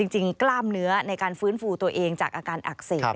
กล้ามเนื้อในการฟื้นฟูตัวเองจากอาการอักเสบ